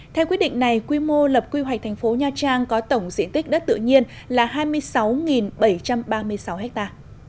theo quyết định này quy mô lập quy hoạch thành phố nha trang có tổng diện tích đất tự nhiên là hai mươi sáu bảy trăm ba mươi sáu ha